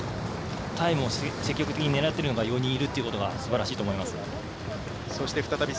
タイムを積極的に狙っているのが４人いるというのがすばらしいと思います。